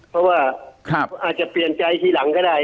เพราะว่าเขาอาจจะเปลี่ยนใจทีหลังก็ได้